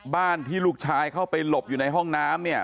บ้านที่ลูกชายเข้าไปหลบอยู่ในห้องน้ำเนี่ย